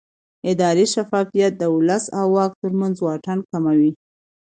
اداري شفافیت د ولس او واک ترمنځ واټن کموي